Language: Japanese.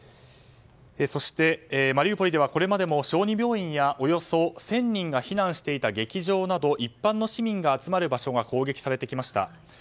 そしてマリウポリではこれまでも小児病院やおよそ１０００人が避難していた劇場などが一般の市民が集まる場所が攻撃されてきました。